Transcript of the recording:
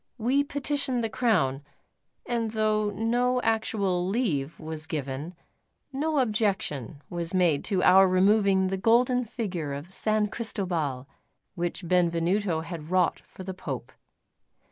We petitioned the Crown; and though no actual leave was given, no objection was made to our removing the golden figure of San Cristobal which Benvenuto had wrought for the Pope.